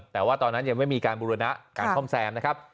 แต่ว่าตอนนั้นยังไม่มีการบูรณะการซ่อมแซมนะครับ